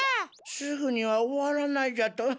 すぐには終わらないじゃと？